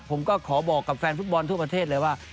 ผมก็ขอบอกกับแฟนฟุตบอลทั่วประเทศเลยว่า